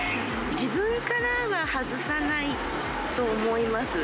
自分からは外さないと思います。